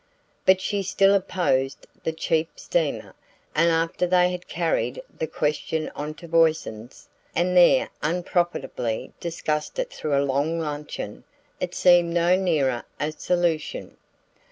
But she still opposed the cheap steamer, and after they had carried the question on to Voisin's, and there unprofitably discussed it through a long luncheon, it seemed no nearer a solution.